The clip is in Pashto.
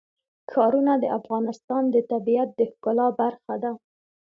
ښارونه د افغانستان د طبیعت د ښکلا برخه ده.